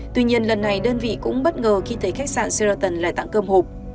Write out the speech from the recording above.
tuy nhiên lần này đơn vị cũng bất ngờ khi thấy khách sạn seraton lại tặng cơm hộp